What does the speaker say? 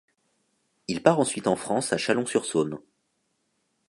Il part ensuite en France à Chalon-sur-Saône.